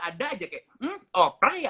ada aja kayak hmm oh perlah ya